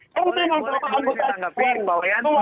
kau tengok bapak anggota jawa